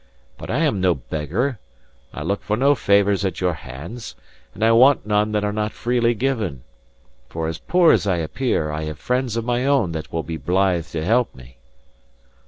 But I am no beggar; I look for no favours at your hands, and I want none that are not freely given. For as poor as I appear, I have friends of my own that will be blithe to help me."